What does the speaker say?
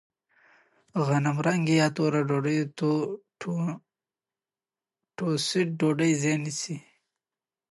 غنمرنګه یا توره ډوډۍ د ټوسټ ډوډۍ ځای نیسي.